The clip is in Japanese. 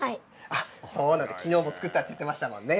そうなの、きのうも作ったって言ってましたもんね。